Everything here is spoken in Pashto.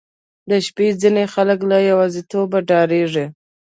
• د شپې ځینې خلک له یوازیتوبه ډاریږي.